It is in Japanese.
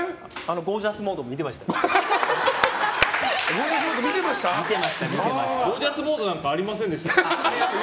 ゴージャスモードなんかありませんでしたよ。